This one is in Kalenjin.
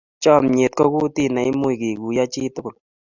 Chamnyet ko kutit ne much kekuiyo chi tugul